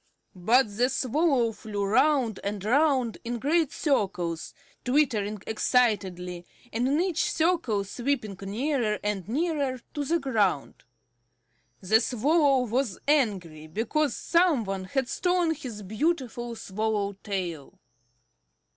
But the Swallow flew round and round in great circles, twittering excitedly, and in each circle sweeping nearer and nearer to the ground. The Swallow was angry because some one had stolen his beautiful swallow tail.